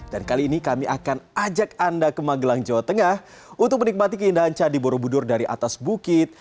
kali ini kami akan ajak anda ke magelang jawa tengah untuk menikmati keindahan candi borobudur dari atas bukit